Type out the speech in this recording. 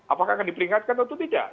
apakah akan diperingatkan atau tidak